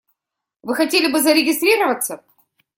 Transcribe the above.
Вы хотели бы зарегистрироваться?